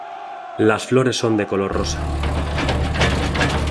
Las flores son de color rosa.